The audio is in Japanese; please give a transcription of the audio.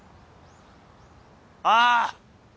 ああ！